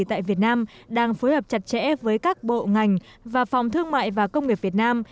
tại việt nam đang phối hợp chặt chẽ với các bộ ngành và phòng thương mại và công nghiệp việt nam